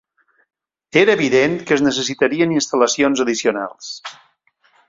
Era evident que es necessitarien instal·lacions addicionals.